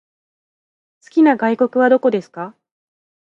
好きな外国はどこですか？